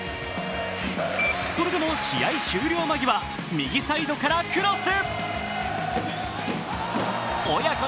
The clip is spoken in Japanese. それでも試合終了間際右サイドからクロス。